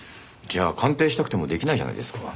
じゃあ鑑定したくても出来ないじゃないですか。